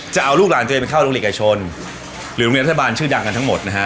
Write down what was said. จะเอาลูกหลานตัวเองไปเข้าโรงเรียนเอกชนหรือโรงเรียนรัฐบาลชื่อดังกันทั้งหมดนะฮะ